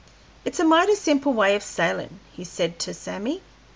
"It's a mighty simple way of sailin'," he said to Sammy.